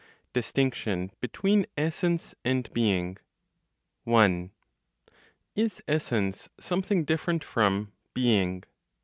DISTINCTION BETWEEN ESSENCE AND BEING. 1. Is "essence" something different from "being"?